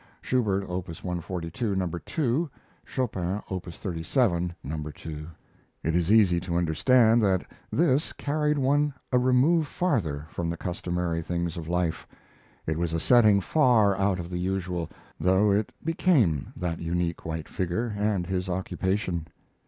[Schubert, Op. 142, No. 2; Chopin, Op. 37, No. 2.] It is easy to understand that this carried one a remove farther from the customary things of life. It was a setting far out of the usual, though it became that unique white figure and his occupation.